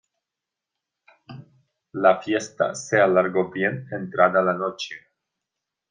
La fiesta se alargó bien entrada la noche.